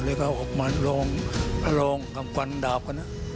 แล้วก็ออกมาลองกับฟันดาบกัน